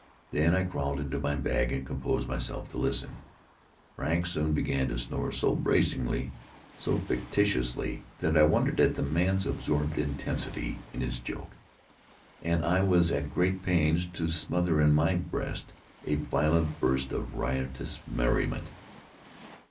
Then I crawled into my bag and composed myself to listen. Frank soon began to snore, so brazenly, so fictitiously, that I wondered at the man's absorbed intensity in his joke; and I was at great pains to smother in my breast a violent burst of riotous merriment.